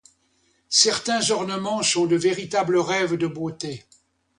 Certains ornements sont de véritables rêves de beauté.